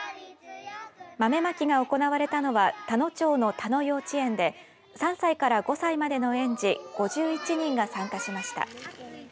豆まきが行われたのは田野町の田野幼稚園で３歳から５歳までの園児５１人が参加しました。